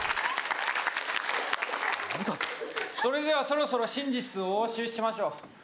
それではそろそろ真実をお教えしましょう。